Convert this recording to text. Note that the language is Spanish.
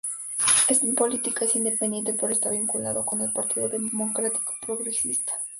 En política es independiente, pero está vinculado con el Partido Democrático Progresista.